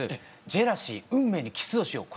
「ジェラシー運命にＫｉｓｓをしよう」